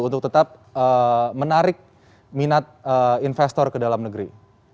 untuk tetap menarik minat investor ke dalam negeri